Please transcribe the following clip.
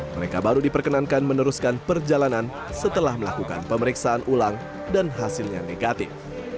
mereka baru diperkenankan meneruskan perjalanan setelah melakukan pemeriksaan ulang dan hasilnya negatif